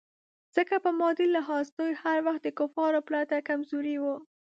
ځکه په مادي لحاظ دوی هر وخت د کفارو پرتله کمزوري وو.